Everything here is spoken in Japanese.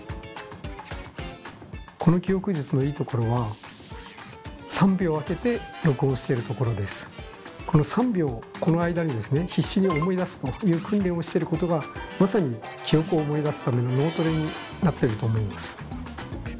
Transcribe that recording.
この記憶術のいいところはこの３秒この間に必死に思い出すという訓練をしてることがまさに記憶を思い出すための脳トレになってると思います。